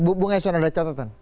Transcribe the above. bu ngeson ada catatan